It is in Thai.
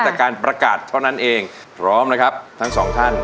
แต่การประกาศเท่านั้นเองพร้อมนะครับทั้งสองท่าน